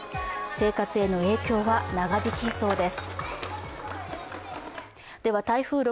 生活への影響は長引きそうです。